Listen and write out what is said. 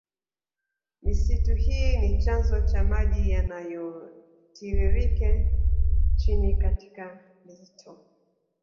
Misitu hii ni chanzo cha maji yanayotiririke chini katika mito